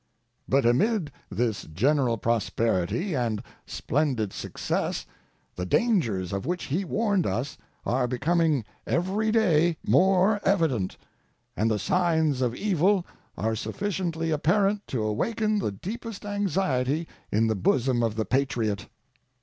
But amid this general prosperity and splendid success the dangers of which he warned us are becoming every day more evident, and the signs of evil are sufficiently apparent to awaken the deepest anxiety in the bosom of the patriot.